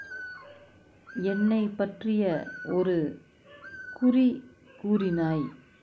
என்னைப் பற்றிய ஒரு குறி கூறினாய்.